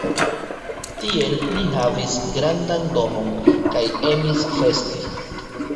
Tie li havis grandan domon kaj emis festi.